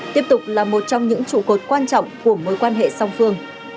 tiếp tục là một trong những trụ cột quan trọng của mối quan hệ song phương